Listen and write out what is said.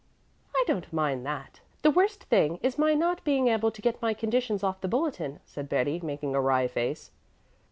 "I don't mind that. The worst thing is my not being able to get my conditions off the bulletin," said Betty, making a wry face.